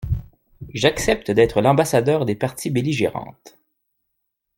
J'accepte d'être l'ambassadeur des parties belligérantes.